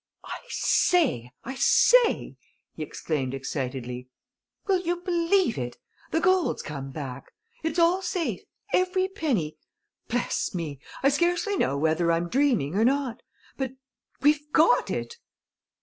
"I say, I say!" he exclaimed excitedly. "Will you believe it! the gold's come back! It's all safe every penny. Bless me! I scarcely know whether I'm dreaming or not. But we've got it!"